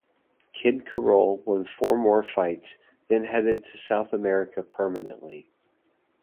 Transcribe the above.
Kid Charol won four more fights, then headed to South America permanently.